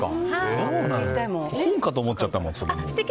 本かと思っちゃった。